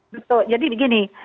betul jadi begini